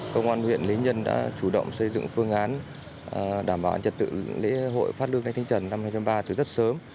công an huyện lý nhân đã chủ động xây dựng phương án đảm bảo an chật tự lễ hội phát lương tây tinh trần năm hai nghìn ba từ rất sớm